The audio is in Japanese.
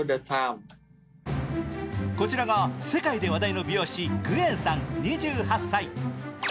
こちらが世界で話題の美容師、グエンさん２８歳。